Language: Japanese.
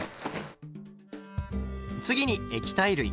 次に液体類。